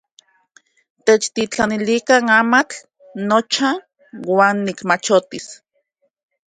Techtitlanilikan amatl nocha uan nikmachotis.